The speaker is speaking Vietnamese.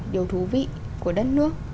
điều thú vị của đất nước